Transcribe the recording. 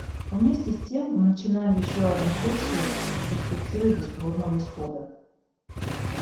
Вместе с тем мы начинаем еще одну сессию с перспективой бесплодного исхода.